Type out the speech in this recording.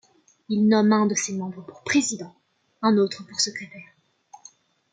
Il nomme un de ses membres pour président, un autre pour secrétaire.